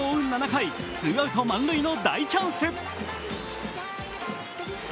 ７回、ツーアウト満塁の大チャンス。